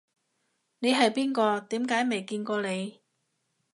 你係邊個？點解未見過你